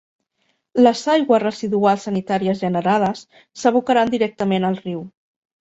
Les aigües residuals sanitàries generades s'abocaran directament al riu.